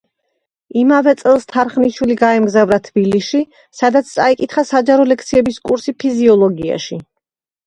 იმავე წელს თარხნიშვილი გაემგზავრა თბილისში, სადაც წაიკითხა საჯარო ლექციების კურსი ფიზიოლოგიაში.